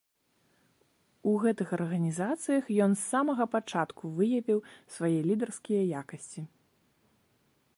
У гэтых арганізацыях ён з самага пачатку выявіў свае лідарскія якасці.